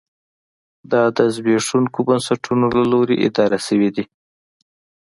دا د زبېښونکو بنسټونو له لوري اداره شوې دي.